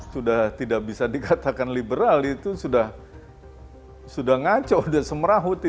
sudah tidak bisa dikatakan liberal itu sudah ngaco sudah semerahuti